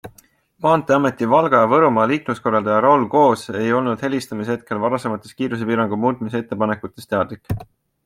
Maanteeameti Valga- ja Võrumaa liikluskorraldaja Raul Goos ei olnud helistamise hetkel varasematest kiiruspiirangu muutmise ettepanekutest teadlik.